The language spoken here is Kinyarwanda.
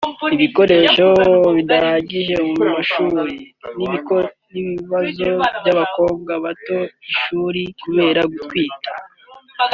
ibikoresho bidahagije mu mashuri n’ikibazo cy’abakobwa bata ishuri kubera gutwita